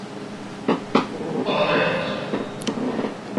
Parabéns.